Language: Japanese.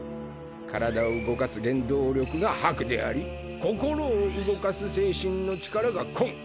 身体を動かす原動力が「魄」であり心を動かす精神の力が「魂」